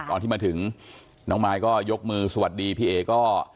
ตอนที่มาถึงน้องมายก็ยกมือสวัสดีพี่เอ๋ก็